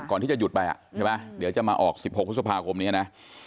ก่อนที่จะหยุดไปใช่ไหมเดี๋ยวจะมาออก๑๖พฤษภาคมนี้นะ